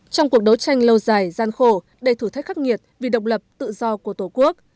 trong cuộc đấu tranh lâu dài gian khổ đầy thử thách khắc nghiệt vì độc lập tự do của tổ quốc